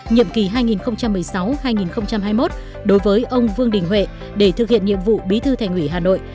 nhiệm kỳ hai nghìn một mươi sáu hai nghìn hai mươi một đối với ông vương đình huệ để thực hiện nhiệm vụ bí thư thành ủy hà nội